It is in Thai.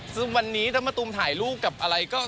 ซึ่งวันนี้ถ้ามะตูมถ่ายรูปกับอะไรก็